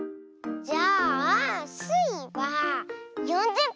じゃあスイは４０ぽん。